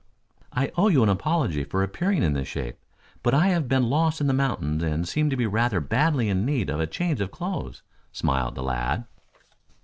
"I owe you an apology for appearing in this shape, but I have been lost in the mountains and seem to be rather badly in need of a change of clothes," smiled the lad.